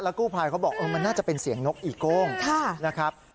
กู้ภัยเขาบอกมันน่าจะเป็นเสียงนกอีโก้งนะครับ